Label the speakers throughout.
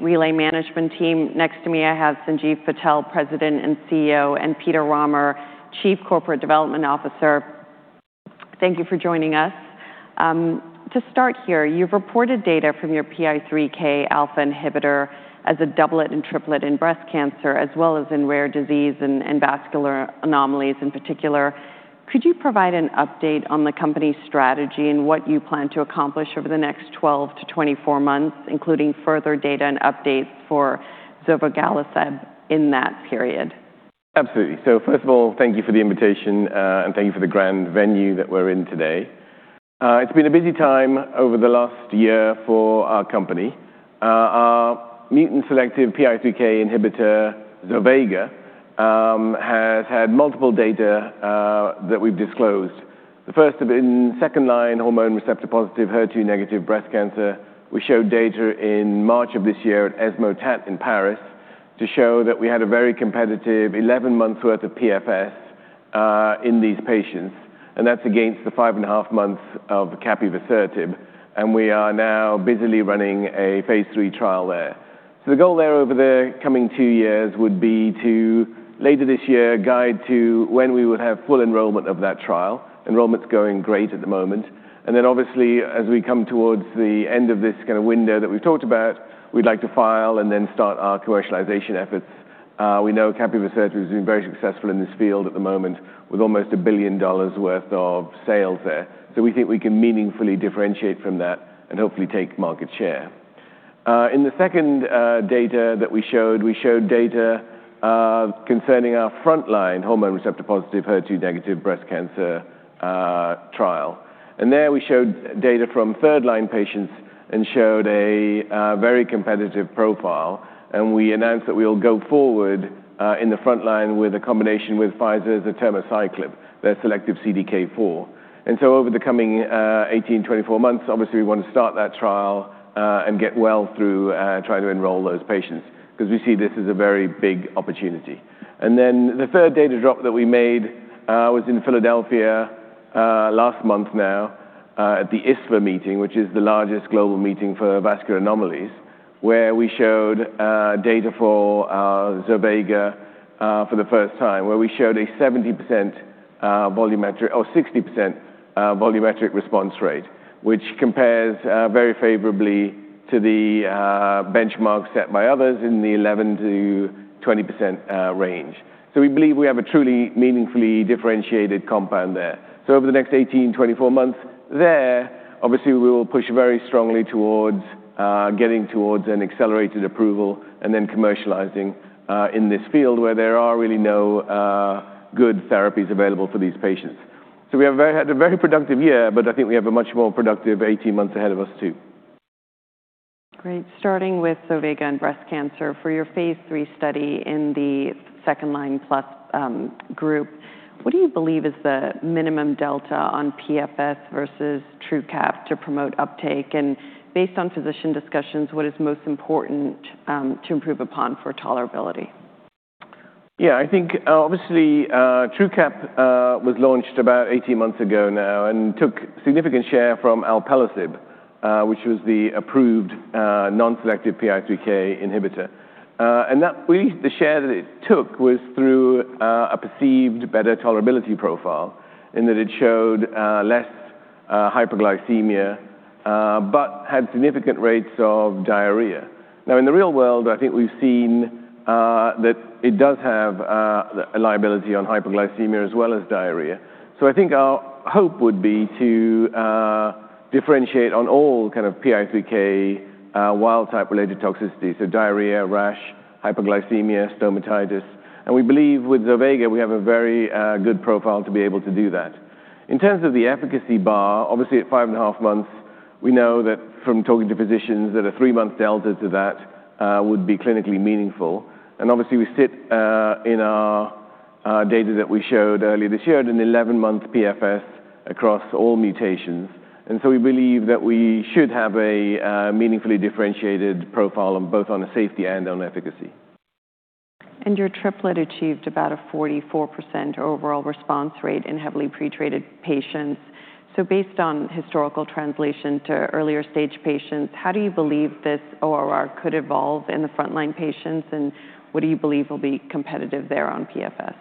Speaker 1: Relay management team. Next to me, I have Sanjiv Patel, President and CEO, and Peter Rahmer, Chief Corporate Development Officer. Thank you for joining us. To start here, you've reported data from your PI3K alpha inhibitor as a doublet and triplet in breast cancer, as well as in rare disease and vascular anomalies in particular. Could you provide an update on the company's strategy and what you plan to accomplish over the next 12 to 24 months, including further data and updates for zovegalisib in that period?
Speaker 2: Absolutely. First of all, thank you for the invitation, and thank you for the grand venue that we're in today. It's been a busy time over the last year for our company. Our mutant-selective PI3K inhibitor, zovega, has had multiple data that we've disclosed. The first of it in second-line hormone receptor-positive, HER2-negative breast cancer. We showed data in March of this year at ESMO TAT in Paris to show that we had a very competitive 11 months worth of PFS in these patients, and that's against the five and a half months of capivasertib. We are now busily running a phase III trial there. The goal there over the coming two years would be to, later this year, guide to when we would have full enrollment of that trial. Enrollment's going great at the moment. Obviously, as we come towards the end of this window that we've talked about, we'd like to file and then start our commercialization efforts. We know capivasertib has been very successful in this field at the moment with almost a $1 billion worth of sales there. We think we can meaningfully differentiate from that and hopefully take market share. In the second data that we showed, we showed data concerning our frontline hormone receptor-positive, HER2-negative breast cancer trial. There we showed data from third-line patients and showed a very competitive profile, and we announced that we'll go forward in the frontline with a combination with Pfizer's atirmociclib, their selective CDK4. Over the coming 18, 24 months, obviously, we want to start that trial, and get well through trying to enroll those patients because we see this as a very big opportunity. The third data drop that we made was in Philadelphia, last month now, at the ISSVA meeting, which is the largest global meeting for vascular anomalies, where we showed data for zovega for the first time, where we showed a 60% volumetric response rate, which compares very favorably to the benchmark set by others in the 11%-20% range. We believe we have a truly meaningfully differentiated compound there. Over the next 18, 24 months there, obviously, we will push very strongly towards getting towards an accelerated approval and then commercializing in this field where there are really no good therapies available for these patients. We have had a very productive year, but I think we have a much more productive 18 months ahead of us, too.
Speaker 1: Starting with zovega and breast cancer, for your phase III study in the second-line plus group, what do you believe is the minimum delta on PFS versus TRUQAP to promote uptake? Based on physician discussions, what is most important to improve upon for tolerability?
Speaker 2: I think obviously, TRUQAP was launched about 18 months ago now and took significant share from alpelisib, which was the approved non-selective PI3K inhibitor. The share that it took was through a perceived better tolerability profile in that it showed less hyperglycemia but had significant rates of diarrhea. In the real world, I think we've seen that it does have a liability on hyperglycemia as well as diarrhea. I think our hope would be to differentiate on all kind of PI3K wild-type related toxicity, so diarrhea, rash, hyperglycemia, stomatitis. We believe with zovega, we have a very good profile to be able to do that. In terms of the efficacy bar, obviously at five and a half months, we know that from talking to physicians that a three-month delta to that would be clinically meaningful. Obviously, we sit in our data that we showed earlier this year at an 11-month PFS across all mutations. We believe that we should have a meaningfully differentiated profile both on safety and on efficacy.
Speaker 1: Your triplet achieved about a 44% overall response rate in heavily pre-treated patients. Based on historical translation to earlier-stage patients, how do you believe this ORR could evolve in the frontline patients, and what do you believe will be competitive there on PFS?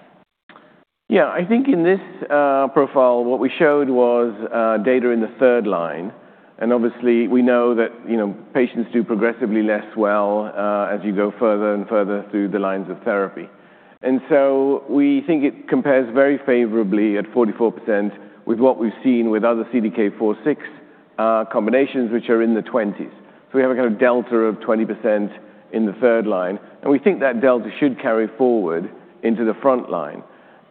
Speaker 2: I think in this profile, what we showed was data in the third-line. Obviously, we know that patients do progressively less well as you go further and further through the lines of therapy. We think it compares very favorably at 44% with what we've seen with other CDK4/6 combinations, which are in the 20s. We have a kind of delta of 20% in the third-line, we think that delta should carry forward into the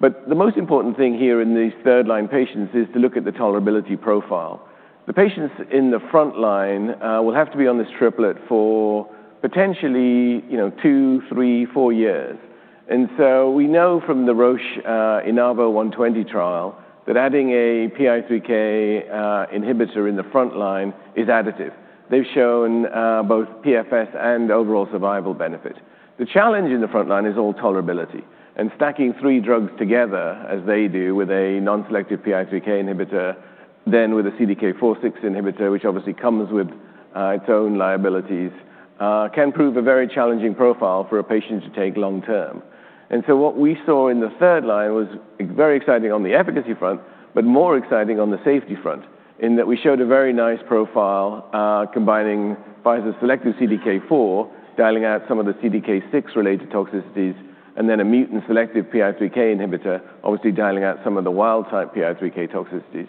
Speaker 2: frontline. The most important thing here in these third-line patients is to look at the tolerability profile. The patients in the frontline will have to be on this triplet for potentially two, three, four years. We know from the Roche INAVO120 trial that adding a PI3K inhibitor in the frontline is additive. They've shown both PFS and overall survival benefit. The challenge in the frontline is all tolerability and stacking three drugs together as they do with a non-selective PI3K inhibitor, then with a CDK4/6 inhibitor, which obviously comes with its own liabilities, can prove a very challenging profile for a patient to take long-term. What we saw in the third-line was very exciting on the efficacy front, but more exciting on the safety front in that we showed a very nice profile combining Pfizer's selective CDK4, dialing out some of the CDK6-related toxicities, then a mutant-selective PI3K inhibitor, obviously dialing out some of the wild-type PI3K toxicities.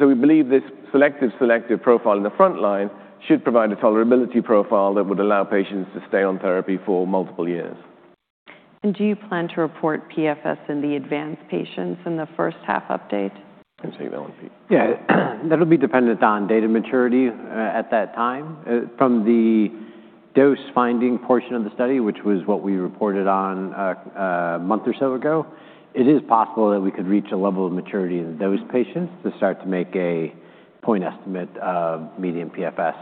Speaker 2: We believe this selective profile in the frontline should provide a tolerability profile that would allow patients to stay on therapy for multiple years.
Speaker 1: Do you plan to report PFS in the advanced patients in the first-half update?
Speaker 2: You can take that one, Pete.
Speaker 3: That will be dependent on data maturity at that time. From the dose-finding portion of the study, which was what we reported on a month or so ago, it is possible that we could reach a level of maturity in those patients to start to make a point estimate of median PFS.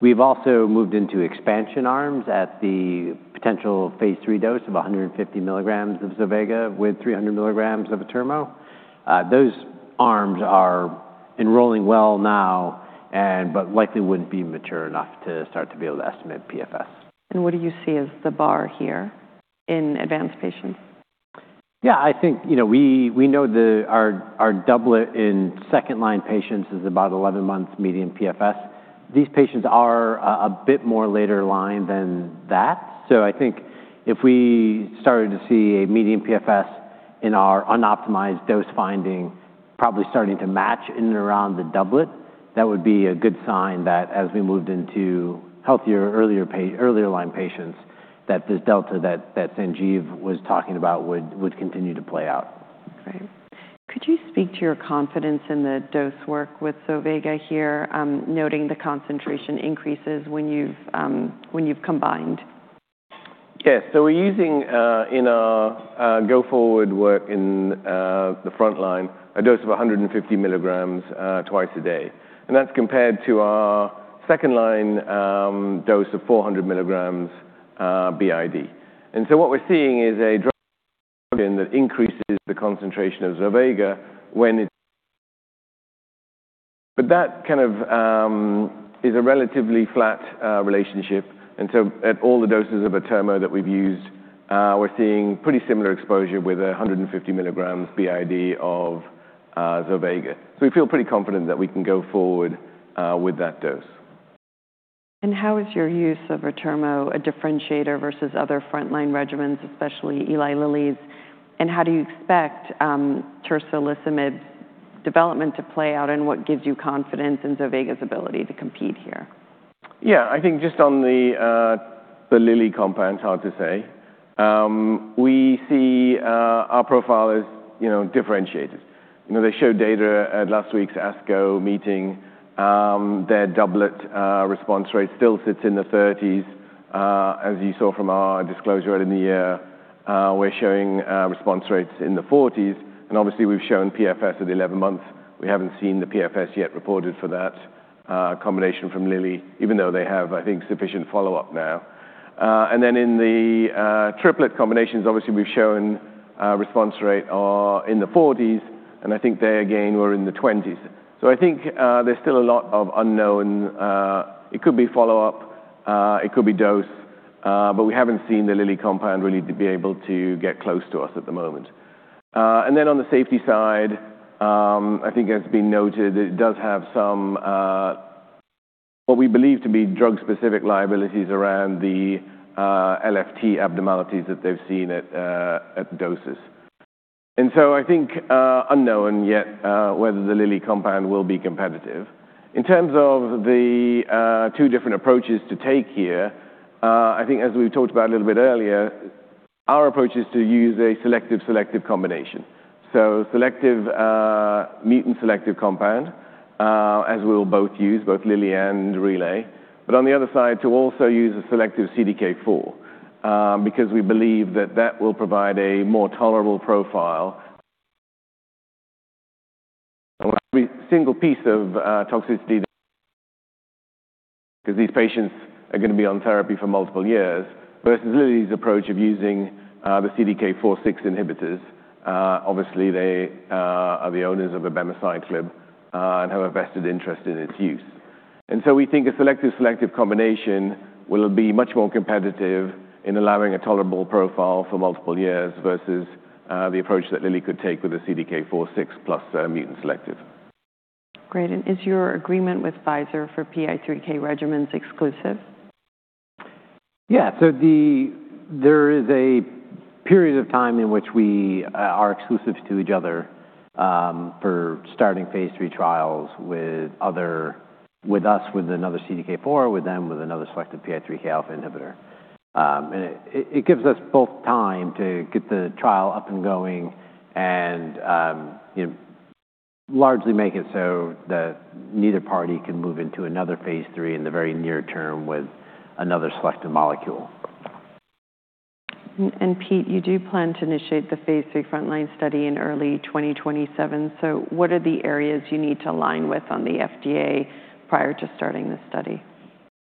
Speaker 3: We have also moved into expansion arms at the potential phase III dose of 150 mg of zovega with 300 mg of atirmo. Those arms are enrolling well now, likely wouldn't be mature enough to start to be able to estimate PFS.
Speaker 1: What do you see as the bar here in advanced patients?
Speaker 3: We know our doublet in second-line patients is about 11 months median PFS. These patients are a bit more later line than that. I think if we started to see a median PFS in our unoptimized dose finding probably starting to match in and around the doublet, that would be a good sign that as we moved into healthier, earlier-line patients, that this delta that Sanjiv was talking about would continue to play out.
Speaker 1: Great. Could you speak to your confidence in the dose work with zovega here, noting the concentration increases when you have combined?
Speaker 2: We're using, in our go-forward work in the frontline, a dose of 150 mg twice a day. That's compared to our second-line dose of 400 mg BID. What we're seeing is a drug that increases the concentration of zovega. That is a relatively flat relationship. At all the doses of atirmo that we've used, we're seeing pretty similar exposure with 150 mg BID of zovega. We feel pretty confident that we can go forward with that dose.
Speaker 1: How is your use of atirmo a differentiator versus other frontline regimens, especially Eli Lilly's? How do you expect tislelizumab's development to play out, and what gives you confidence in zovega's ability to compete here?
Speaker 2: I think just on the Lilly compound, it's hard to say. We see our profile as differentiated. They showed data at last week's ASCO meeting. Their doublet response rate still sits in the 30s. As you saw from our disclosure earlier in the year, we're showing response rates in the 40s. Obviously, we've shown PFS at 11 months. We haven't seen the PFS yet reported for that combination from Lilly, even though they have, I think, sufficient follow-up now. In the triplet combinations, obviously, we've shown a response rate in the 40s, and I think they again were in the 20s. I think there's still a lot of unknown. It could be follow-up. It could be dose. We haven't seen the Lilly compound really to be able to get close to us at the moment. On the safety side, I think it's been noted, it does have some what we believe to be drug-specific liabilities around the LFT abnormalities that they've seen at doses. I think unknown yet whether the Lilly compound will be competitive. In terms of the two different approaches to take here, I think as we talked about a little bit earlier, our approach is to use a selective combination. Selective mutant-selective compound as we'll both use, both Lilly and Relay, to also use a selective CDK4 because we believe that that will provide a more tolerable profile. Because these patients are going to be on therapy for multiple years versus Lilly's approach of using the CDK4/6 inhibitors. They are the owners of abemaciclib and have a vested interest in its use. We think a selective combination will be much more competitive in allowing a tolerable profile for multiple years versus the approach that Eli Lilly could take with a CDK4/6 plus a mutant-selective.
Speaker 1: Great. Is your agreement with Pfizer for PI3K regimens exclusive?
Speaker 3: Yeah. There is a period of time in which we are exclusive to each other for starting phase III trials with us with another CDK4, with them with another selective PI3K alpha inhibitor. It gives us both time to get the trial up and going and largely make it so that neither party can move into another phase III in the very near term with another selective molecule.
Speaker 1: Pete, you do plan to initiate the phase III frontline study in early 2027. What are the areas you need to align with on the FDA prior to starting this study?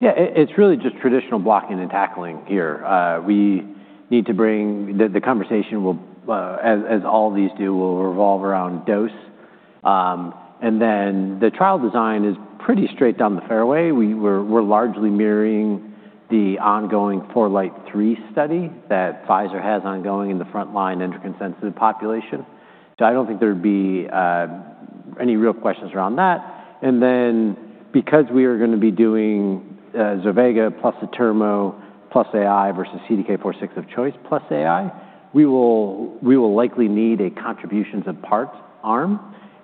Speaker 3: Yeah. It's really just traditional blocking and tackling here. The conversation, as all these do, will revolve around dose. The trial design is pretty straight down the fairway. We're largely mirroring the ongoing FourLight-3 study that Pfizer has ongoing in the frontline endocrinely sensitive population. I don't think there'd be any real questions around that. Because we are going to be doing zovega plus atirmo plus AI versus CDK4/6 of choice plus AI, we will likely need a contribution of components arm.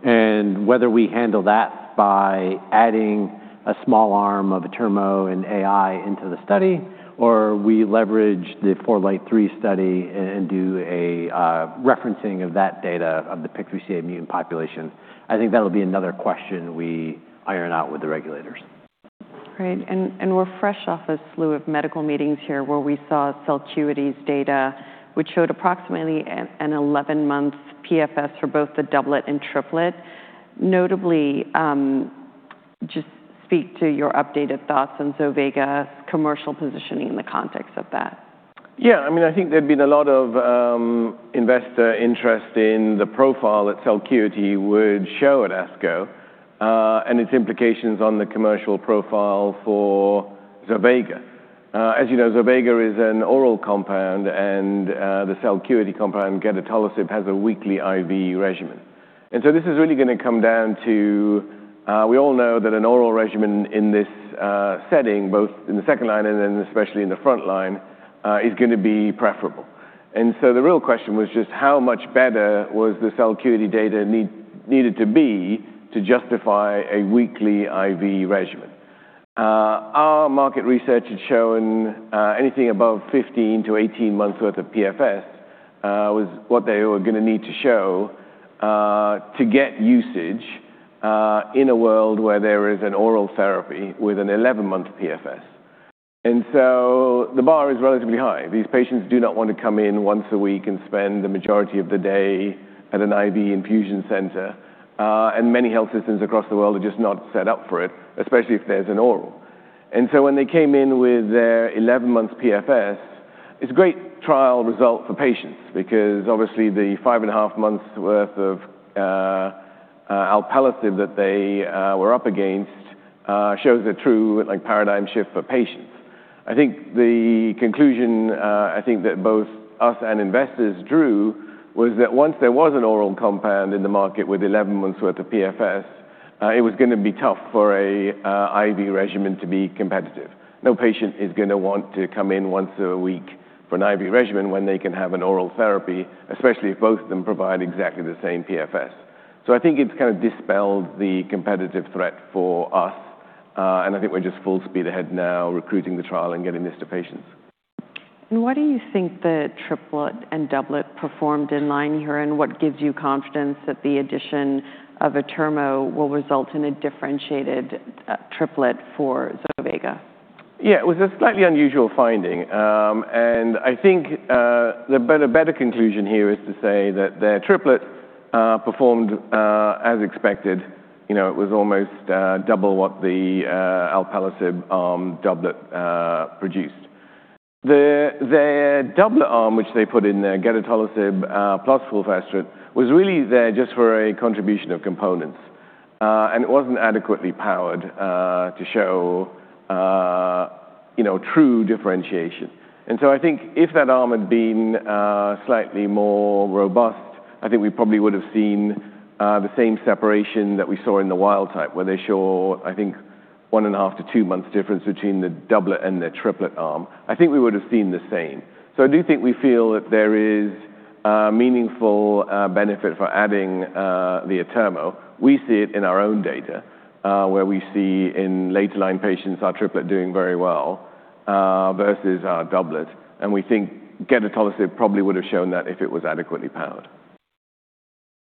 Speaker 3: Whether we handle that by adding a small arm of atirmo and AI into the study, or we leverage the FourLight-3 study and do a referencing of that data of the PIK3CA mutant population, I think that'll be another question we iron out with the regulators.
Speaker 1: Great. We're fresh off a slew of medical meetings here where we saw Celcuity's data, which showed approximately an 11-month PFS for both the doublet and triplet. Notably, just speak to your updated thoughts on zovega's commercial positioning in the context of that.
Speaker 2: Yeah, I think there'd been a lot of investor interest in the profile that Celcuity would show at ASCO, and its implications on the commercial profile for zovega. As you know, zovega is an oral compound, and the Celcuity compound, gedatolisib, has a weekly IV regimen. This is really going to come down to-- we all know that an oral regimen in this setting, both in the second line and then especially in the frontline, is going to be preferable. The real question was just how much better was the Celcuity data needed to be to justify a weekly IV regimen? Our market research had shown anything above 15-18 months worth of PFS, was what they were going to need to show to get usage in a world where there is an oral therapy with an 11-month PFS. The bar is relatively high. These patients do not want to come in once a week and spend the majority of the day at an IV infusion center. Many health systems across the world are just not set up for it, especially if there's an oral. When they came in with their 11-month PFS, it's a great trial result for patients because obviously the five and a half months worth of alpelisib that they were up against shows a true paradigm shift for patients. I think the conclusion that both us and investors drew was that once there was an oral compound in the market with 11 months worth of PFS, it was going to be tough for an IV regimen to be competitive. No patient is going to want to come in once a week for an IV regimen when they can have an oral therapy, especially if both of them provide exactly the same PFS. I think it's kind of dispelled the competitive threat for us. I think we're just full speed ahead now recruiting the trial and getting this to patients.
Speaker 1: Why do you think the triplet and doublet performed in line here, and what gives you confidence that the addition of atirmociclib will result in a differentiated triplet for zovega?
Speaker 2: Yeah, it was a slightly unusual finding. I think the better conclusion here is to say that their triplet performed as expected. It was almost double what the alpelisib arm doublet produced. Their doublet arm, which they put in there, gedatolisib plus fulvestrant, was really there just for a contribution of components. It wasn't adequately powered to show true differentiation. I think if that arm had been slightly more robust, I think we probably would've seen the same separation that we saw in the wild type, where they show, I think, one and a half to two months difference between the doublet and their triplet arm. I think we would've seen the same. I do think we feel that there is a meaningful benefit for adding the atirmociclib. We see it in our own data, where we see in later line patients, our triplet doing very well versus our doublet. We think gedatolisib probably would've shown that if it was adequately powered.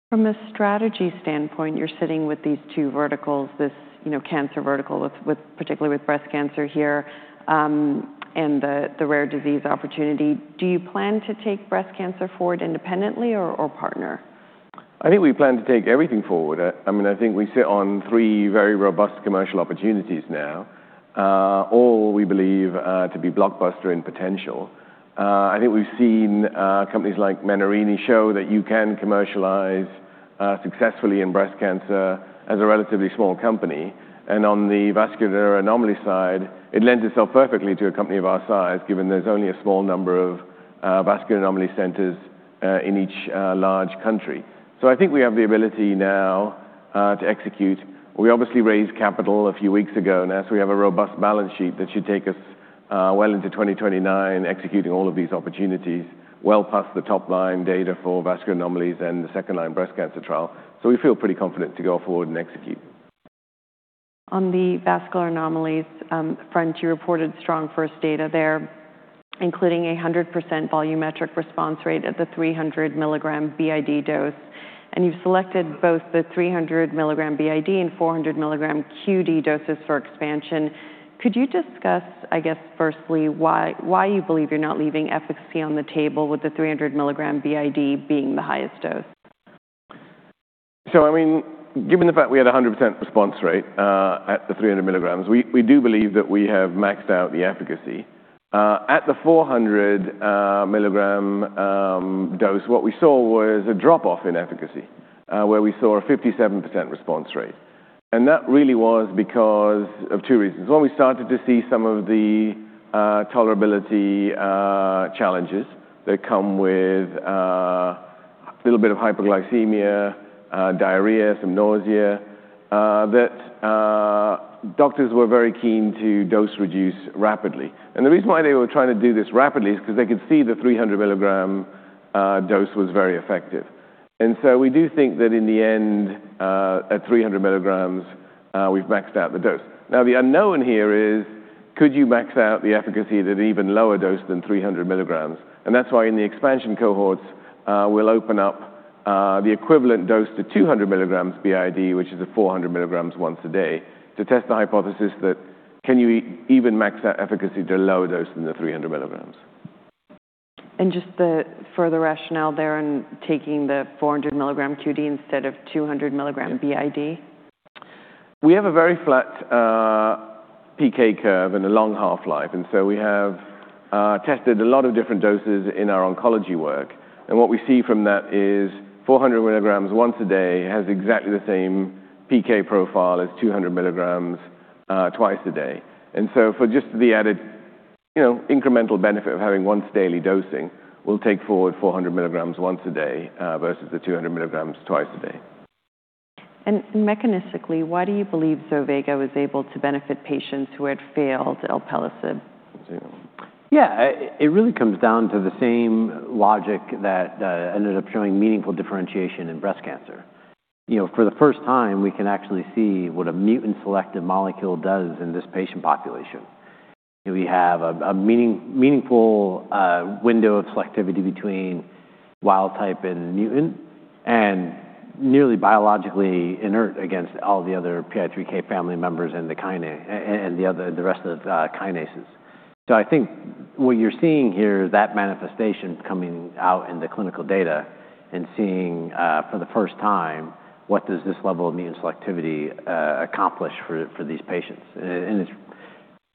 Speaker 1: From a strategy standpoint, you're sitting with these two verticals, this cancer vertical, particularly with breast cancer here, and the rare disease opportunity. Do you plan to take breast cancer forward independently or partner?
Speaker 2: I think we plan to take everything forward. I think we sit on three very robust commercial opportunities now. All we believe to be blockbuster in potential. I think we've seen companies like Menarini show that you can commercialize successfully in breast cancer as a relatively small company. On the vascular anomaly side, it lends itself perfectly to a company of our size, given there's only a small number of Vascular Anomaly Centers in each large country. I think we have the ability now to execute. We obviously raised capital a few weeks ago, as we have a robust balance sheet, that should take us well into 2029, executing all of these opportunities well past the top-line data for Vascular Anomalies and the second-line breast cancer trial. We feel pretty confident to go forward and execute.
Speaker 1: On the Vascular Anomalies front, you reported strong first data there, including 100% Volumetric Response Rate at the 300 mg BID dose, you've selected both the 300 mg BID and 400 mg QD doses for expansion. Could you discuss, I guess, firstly, why you believe you're not leaving efficacy on the table with the 300 mg BID being the highest dose?
Speaker 2: Given the fact we had 100% response rate at the 300 mg, we do believe that we have maxed out the efficacy. At the 400-mg dose, what we saw was a drop-off in efficacy, where we saw a 57% response rate. That really was because of two reasons. One, we started to see some of the tolerability challenges that come with a little bit of hyperglycemia, diarrhea, some nausea, that doctors were very keen to dose reduce rapidly. The reason why they were trying to do this rapidly is because they could see the 300-mg dose was very effective. We do think that in the end, at 300 mg, we've maxed out the dose. Now, the unknown here is could you max out the efficacy at an even lower dose than 300 mg? That's why in the expansion cohorts, we'll open up the equivalent dose to 200 mg BID, which is a 400 mg once a day, to test the hypothesis that can you even max out efficacy at a lower dose than the 300 mg?
Speaker 1: Just the further rationale there in taking the 400-mg QD instead of 200 mg BID?
Speaker 2: We have a very flat PK curve and a long half-life, we have tested a lot of different doses in our oncology work. What we see from that is 400 mg once a day has exactly the same PK profile as 200 mg twice a day. For just the added incremental benefit of having once daily dosing, we'll take forward 400 mg once a day versus the 200 mg twice a day.
Speaker 1: Mechanistically, why do you believe zovega was able to benefit patients who had failed alpelisib?
Speaker 3: Yeah. It really comes down to the same logic that ended up showing meaningful differentiation in breast cancer. For the first time, we can actually see what a mutant-selective molecule does in this patient population. We have a meaningful window of selectivity between wild type and mutant, and nearly biologically inert against all the other PI3K family members and the rest of the kinases. I think what you're seeing here is that manifestation coming out in the clinical data and seeing, for the first time, what does this level of mutant selectivity accomplish for these patients? It's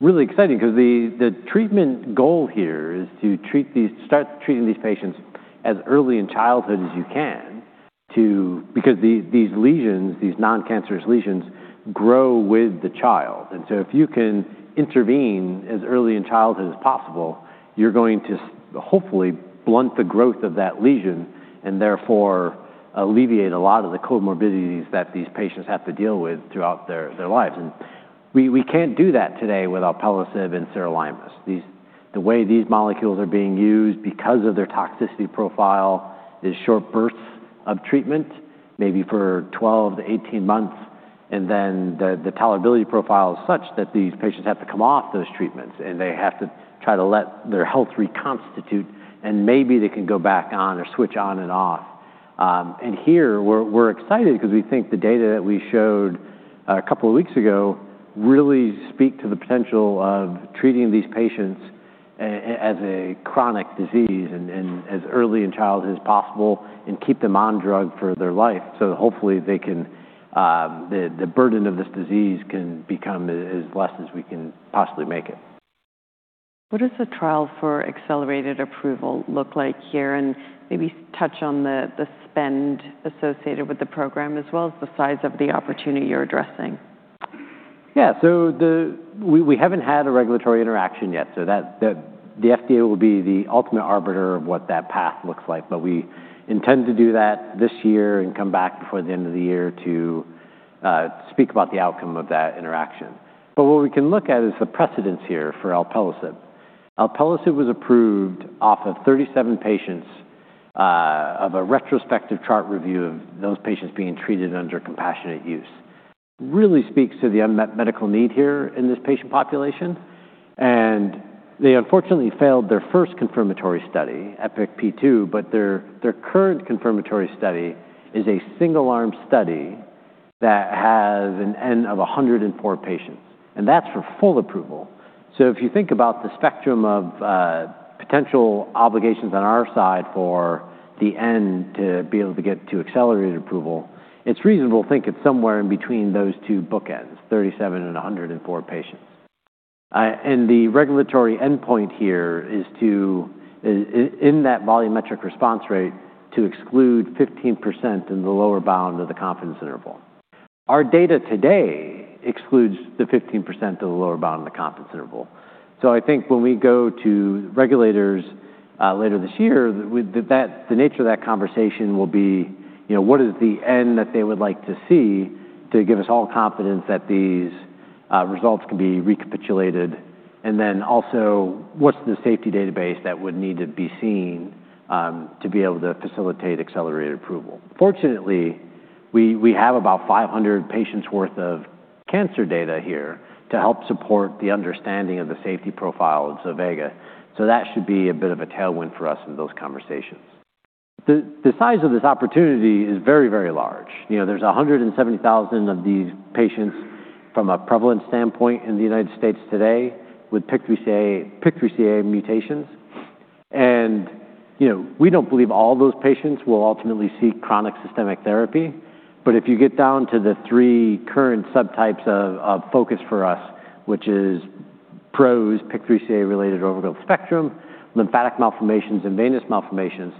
Speaker 3: really exciting because the treatment goal here is to start treating these patients as early in childhood as you can because these non-cancerous lesions grow with the child. If you can intervene as early in childhood as possible, you're going to hopefully blunt the growth of that lesion and therefore alleviate a lot of the comorbidities that these patients have to deal with throughout their lives. We can't do that today with alpelisib and sirolimus. The way these molecules are being used, because of their toxicity profile, is short bursts of treatment, maybe for 12 to 18 months, then the tolerability profile is such that these patients have to come off those treatments, and they have to try to let their health reconstitute, and maybe they can go back on or switch on and off. Here, we're excited because we think the data that we showed a couple of weeks ago really speak to the potential of treating these patients as a chronic disease and as early in childhood as possible and keep them on drug for their life. Hopefully, the burden of this disease can become as less as we can possibly make it.
Speaker 1: What does the trial for accelerated approval look like here? Maybe touch on the spend associated with the program as well as the size of the opportunity you're addressing.
Speaker 3: Yeah. We haven't had a regulatory interaction yet. The FDA will be the ultimate arbiter of what that path looks like. We intend to do that this year and come back before the end of the year to speak about the outcome of that interaction. What we can look at is the precedence here for alpelisib. Alpelisib was approved off of 37 patients of a retrospective chart review of those patients being treated under compassionate use. Really speaks to the unmet medical need here in this patient population. They unfortunately failed their first confirmatory study, EPIK-P2, but their current confirmatory study is a single-arm study that has an N of 104 patients, and that's for full approval. If you think about the spectrum of potential obligations on our side for the N to be able to get to accelerated approval, it's reasonable to think it's somewhere in between those two bookends, 37 and 104 patients. The regulatory endpoint here is in that volumetric response rate to exclude 15% in the lower bound of the confidence interval. Our data today excludes the 15% of the lower bound of the confidence interval. I think when we go to regulators later this year, the nature of that conversation will be, what is the N that they would like to see to give us all confidence that these results can be recapitulated? Also, what's the safety database that would need to be seen to be able to facilitate accelerated approval? Fortunately, we have about 500 patients' worth of cancer data here to help support the understanding of the safety profile of zovega, so that should be a bit of a tailwind for us in those conversations. The size of this opportunity is very large. There's 170,000 of these patients from a prevalence standpoint in the U.S. today with PIK3CA mutations. We don't believe all those patients will ultimately seek chronic systemic therapy. If you get down to the three current subtypes of focus for us, which is PROS, PIK3CA-related overgrowth spectrum, lymphatic malformations, and venous malformations,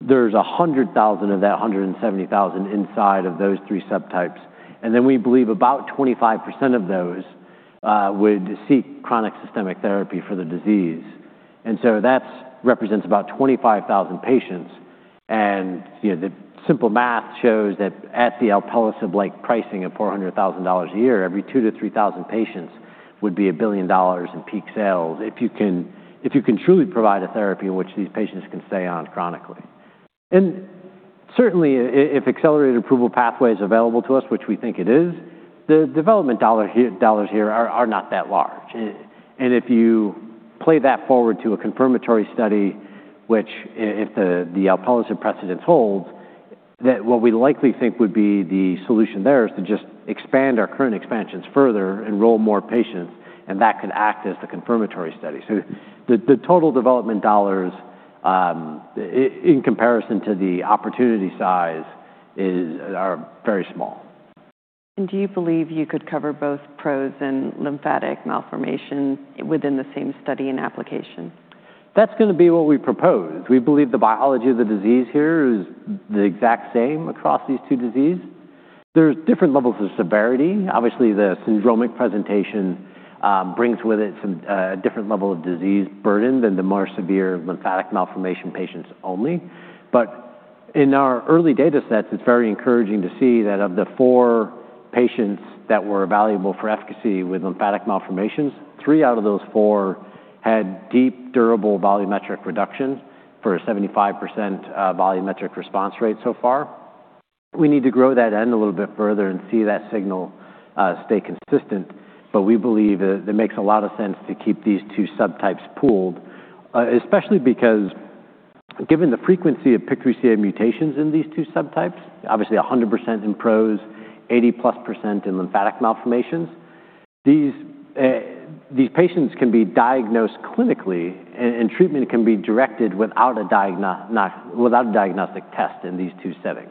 Speaker 3: there's 100,000 of that 170,000 inside of those three subtypes. We believe about 25% of those would seek chronic systemic therapy for the disease. That represents about 25,000 patients, and the simple math shows that at the alpelisib pricing of $400,000 a year, every 2,000 to 3,000 patients would be a billion dollars in peak sales if you can truly provide a therapy in which these patients can stay on chronically. Certainly, if accelerated approval pathway is available to us, which we think it is, the development dollars here are not that large. If you play that forward to a confirmatory study, which if the alpelisib precedent holds, what we likely think would be the solution there is to just expand our current expansions further, enroll more patients, and that can act as the confirmatory study. The total development dollars, in comparison to the opportunity size, are very small.
Speaker 1: Do you believe you could cover both PROS and lymphatic malformation within the same study and application?
Speaker 3: That's going to be what we propose. We believe the biology of the disease here is the exact same across these two disease. There's different levels of severity. Obviously, the syndromic presentation brings with it a different level of disease burden than the more severe lymphatic malformation patients only. In our early data sets, it's very encouraging to see that of the four patients that were valuable for efficacy with lymphatic malformations, three out of those four had deep, durable volumetric reductions for a 75% volumetric response rate so far. We need to grow that end a little bit further and see that signal stay consistent. We believe it makes a lot of sense to keep these two subtypes pooled, especially because given the frequency of PIK3CA mutations in these two subtypes, obviously 100% in PROS, 80-plus% in lymphatic malformations, these patients can be diagnosed clinically, and treatment can be directed without a diagnostic test in these two settings.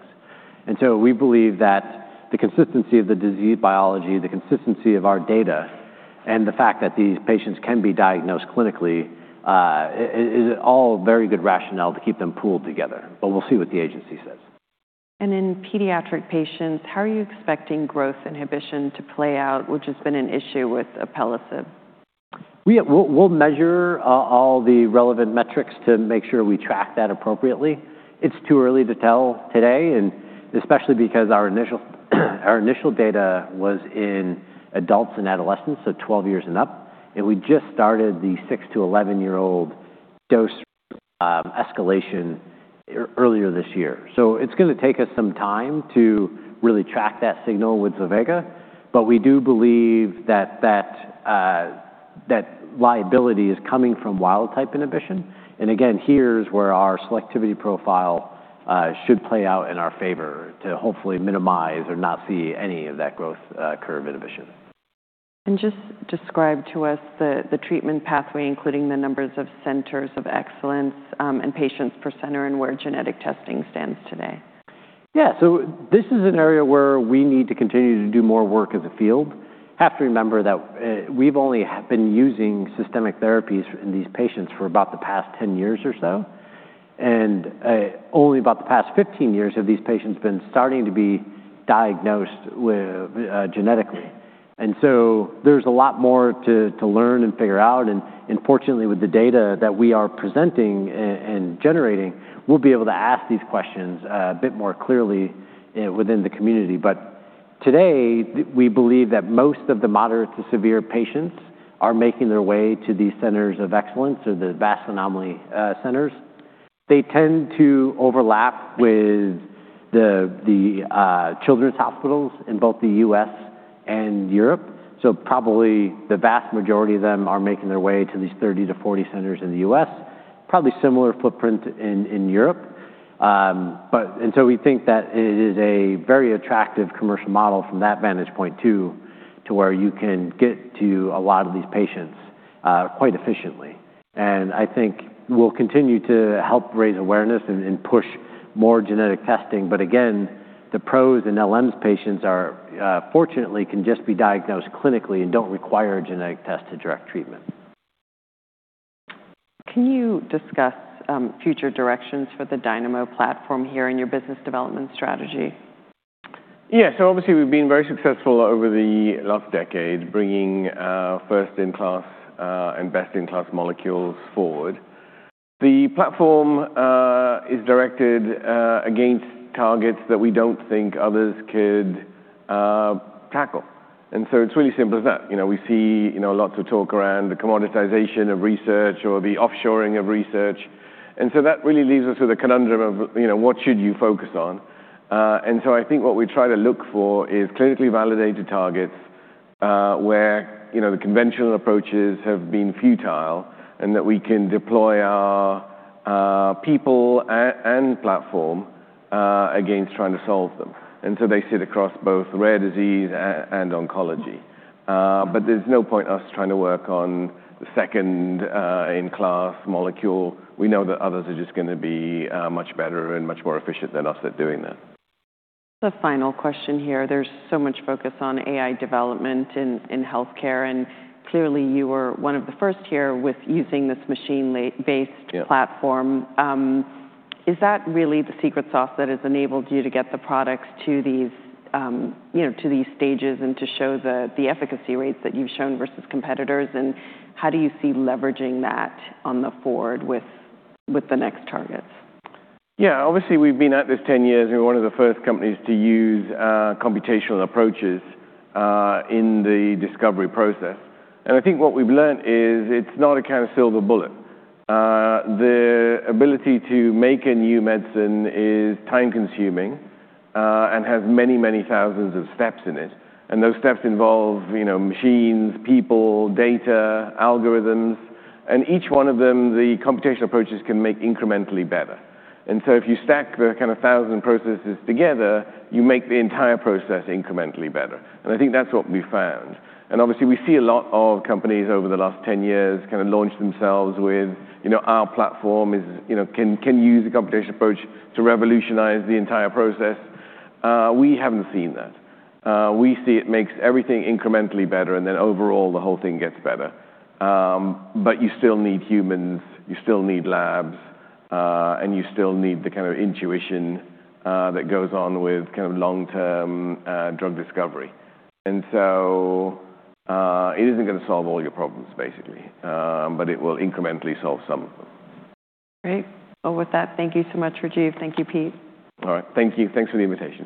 Speaker 3: We believe that the consistency of the disease biology, the consistency of our data, and the fact that these patients can be diagnosed clinically is all very good rationale to keep them pooled together. We'll see what the agency says.
Speaker 1: In pediatric patients, how are you expecting growth inhibition to play out, which has been an issue with alpelisib?
Speaker 3: We'll measure all the relevant metrics to make sure we track that appropriately. It's too early to tell today, especially because our initial data was in adults and adolescents, 12 years and up, and we just started the 6 to 11-year-old dose escalation earlier this year. It's going to take us some time to really track that signal with zovega, we do believe that that liability is coming from wild-type inhibition. Again, here's where our selectivity profile should play out in our favor to hopefully minimize or not see any of that growth curve inhibition.
Speaker 1: Just describe to us the treatment pathway, including the numbers of centers of excellence and patients per center and where genetic testing stands today.
Speaker 3: This is an area where we need to continue to do more work as a field. Have to remember that we've only been using systemic therapies in these patients for about the past 10 years or so, only about the past 15 years have these patients been starting to be diagnosed genetically. There's a lot more to learn and figure out, fortunately, with the data that we are presenting and generating, we'll be able to ask these questions a bit more clearly within the community. Today, we believe that most of the moderate to severe patients are making their way to these centers of excellence or the vascular anomaly centers. They tend to overlap with the children's hospitals in both the U.S. and Europe. Probably the vast majority of them are making their way to these 30 to 40 centers in the U.S., probably similar footprint in Europe. We think that it is a very attractive commercial model from that vantage point, too, to where you can get to a lot of these patients quite efficiently. I think we'll continue to help raise awareness and push more genetic testing, again, the PROS and leiomyosarcomas patients fortunately can just be diagnosed clinically and don't require a genetic test to direct treatment.
Speaker 1: Can you discuss future directions for the Dynamo platform here in your business development strategy?
Speaker 2: Yeah. Obviously, we've been very successful over the last decade bringing first-in-class and best-in-class molecules forward. The platform is directed against targets that we don't think others could tackle, it's really simple as that. We see lots of talk around the commoditization of research or the offshoring of research, that really leaves us with a conundrum of what should you focus on? I think what we try to look for is clinically validated targets where the conventional approaches have been futile and that we can deploy our people and platform against trying to solve them. They sit across both rare disease and oncology. There's no point us trying to work on the second in-class molecule. We know that others are just going to be much better and much more efficient than us at doing that.
Speaker 1: The final question here, there's so much focus on AI development in healthcare, clearly you were one of the first here with using this machine-based-
Speaker 2: Yeah
Speaker 1: platform. Is that really the secret sauce that has enabled you to get the products to these stages and to show the efficacy rates that you've shown versus competitors? How do you see leveraging that on the forward with the next targets?
Speaker 2: Yeah. Obviously, we've been at this 10 years, we're one of the first companies to use computational approaches in the discovery process. I think what we've learned is it's not a kind of silver bullet. The ability to make a new medicine is time-consuming and has many, many thousands of steps in it, and those steps involve machines, people, data, algorithms, and each one of them, the computational approaches can make incrementally better. If you stack the kind of thousand processes together, you make the entire process incrementally better, and I think that's what we've found. Obviously, we see a lot of companies over the last 10 years kind of launch themselves with, "Our platform can use a computational approach to revolutionize the entire process." We haven't seen that. We see it makes everything incrementally better, and then overall the whole thing gets better. You still need humans, you still need labs, and you still need the kind of intuition that goes on with long-term drug discovery. It isn't going to solve all your problems, basically, but it will incrementally solve some of them.
Speaker 1: Great. Well, with that, thank you so much, Sanjiv. Thank you, Pete.
Speaker 2: All right. Thank you. Thanks for the invitation